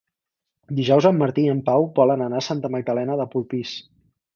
Dijous en Martí i en Pau volen anar a Santa Magdalena de Polpís.